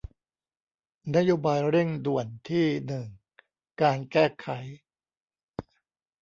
นโยบายเร่งด่วนที่หนึ่งการแก้ไข